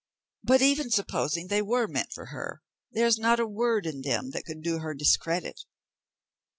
But even supposing they were meant for her, there is not a word in them that could do her discredit.